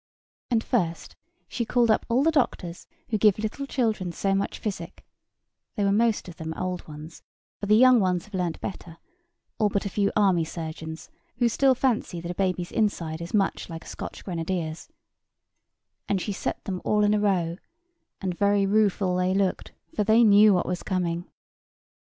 And first she called up all the doctors who give little children so much physic (they were most of them old ones; for the young ones have learnt better, all but a few army surgeons, who still fancy that a baby's inside is much like a Scotch grenadier's), and she set them all in a row; and very rueful they looked; for they knew what was coming.